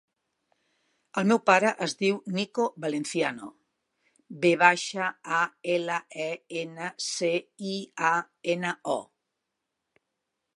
El meu pare es diu Niko Valenciano: ve baixa, a, ela, e, ena, ce, i, a, ena, o.